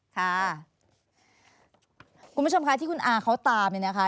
คุณผู้ชมคะที่คุณอาเขาตามเนี่ยนะคะ